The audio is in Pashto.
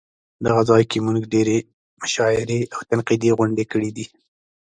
دغه ځای کې مونږ ډېرې مشاعرې او تنقیدي غونډې کړې دي.